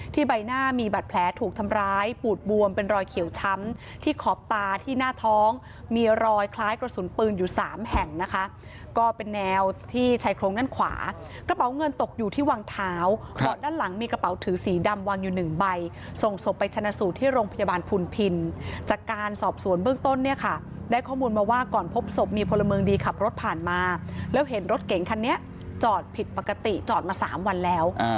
ที่ขอบตาที่หน้าท้องมีรอยคล้ายกับศูนย์ปืนอยู่๓แห่งนะคะก็เป็นแนวที่ชายโครงด้านขวากระเป๋าเงินตกอยู่ที่วางเท้าหลังมีกระเป๋าถือสีดำวางอยู่๑ใบส่งศพไปชนะสูตรที่โรงพยาบาลพุนภินภรรยาการสอบสวนเบื้อต้นเนี่ยค่ะได้ข้อมูลมาว่าก่อนพบศพมีพลเมิงดีขับรถผ่านมาแล้วเห็นรถเก